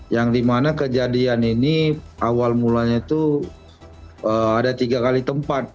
yang dimana kejadian ini awal mulanya itu ada tiga kali tempat